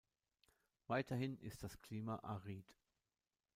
Weiterhin ist das Klima arid.